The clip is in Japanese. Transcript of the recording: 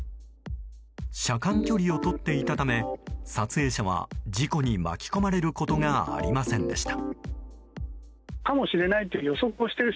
車間距離をとっていたため撮影者は事故に巻き込まれることがありませんでした。